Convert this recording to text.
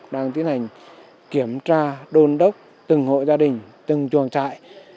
đang tiến hành kiểm tra đôn đốc từng hội gia đình từng chuồng trại